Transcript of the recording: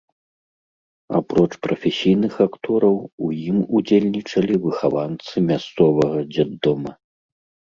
Апроч прафесійных актораў у ім удзельнічалі выхаванцы мясцовага дзетдома.